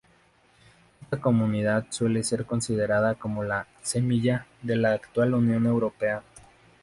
Esta comunidad suele ser considerada como la "semilla" de la actual Unión Europea.